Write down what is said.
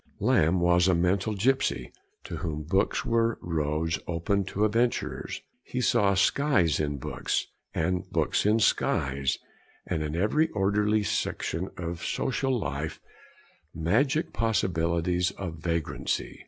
Lamb was a mental gipsy, to whom books were roads open to adventures; he saw skies in books, and books in skies, and in every orderly section of social life magic possibilities of vagrancy.